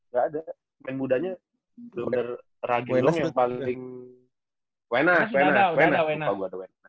pemain budanya bener bener